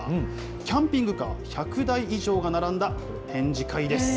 キャンピングカー１００台以上が並んだ展示会です。